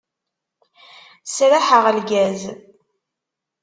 Sraḥeɣ lgaz.